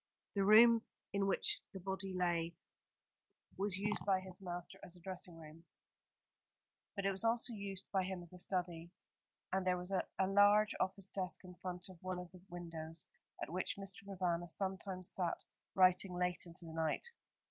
The room in which the body lay was used by his master as a dressing room; but it was also used by him as a study, and there was a large office desk in front of one of the windows, at which Mr. Provana sometimes sat writing late into the night.